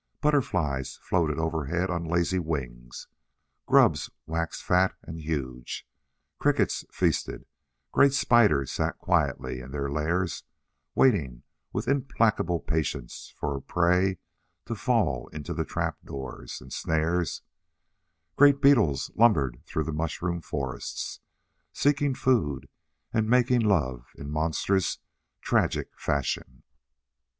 Butterflies floated overhead on lazy wings; grubs waxed fat and huge; crickets feasted; great spiders sat quietly in their lairs, waiting with implacable patience for prey to fall into the trap doors and snares; great beetles lumbered through the mushroom forests, seeking food and making love in monstrous, tragic fashion.